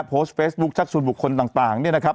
โพสต์เฟซบุ๊กชักษุวุคคนต่าง